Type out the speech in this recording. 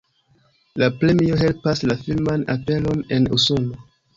La premio helpas la filman aperon en Usono.